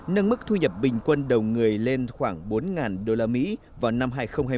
nâng mức thu nhập bình quân đầu người lên khoảng bốn usd vào năm hai nghìn hai mươi